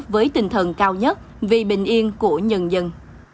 với tinh thần cao nhất vì bình yên của nhân dân